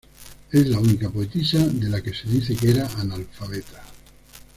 Es la única poetisa de la que se dice que era analfabeta.